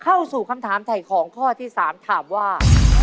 เข้าสู่คำถามถ่ายของข้อที่๓ถามว่า